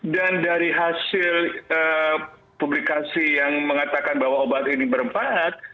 dan dari hasil publikasi yang mengatakan bahwa obat ini bermanfaat